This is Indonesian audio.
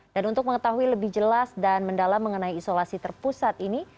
dan untuk mengetahui lebih jelas dan mendalam mengenai isolasi terpusat ini